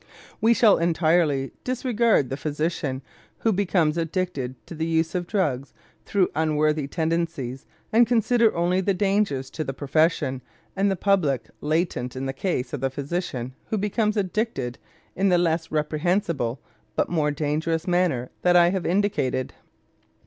We shall entirely disregard the physician who becomes addicted to the use of drugs through unworthy tendencies, and consider only the dangers to the profession and the public latent in the case of the physician who becomes addicted in the less reprehensible, but more dangerous, manner that I have indicated.